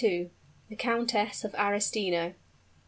THE COUNTESS OF ARESTINO.